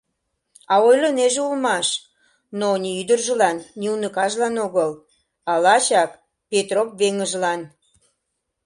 А ойлынеже улмаш, но ни ӱдыржылан, ни уныкажлан огыл, а лачак Петроп веҥыжлан.